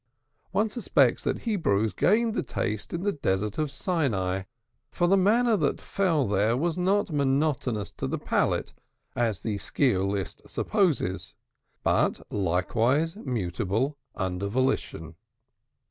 One suspects that Hebrews gained the taste in the Desert of Sinai, for the manna that fell there was not monotonous to the palate as the sciolist supposes, but likewise mutable under volition.